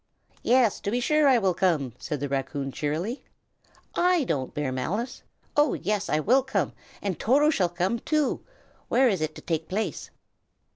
"Yes, to be sure I will come!" said the raccoon, cheerily. "I don't bear malice. Oh, yes! I will come, and Toto shall come, too. Where is it to take place?"